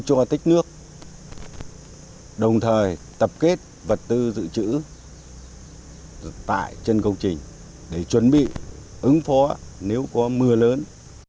cho tích nước đồng thời tập kết vật tư dự trữ tại chân công trình để chuẩn bị ứng phó nếu có mưa lớn